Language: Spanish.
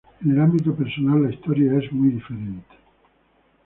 En el ámbito personal, la historia es muy diferente.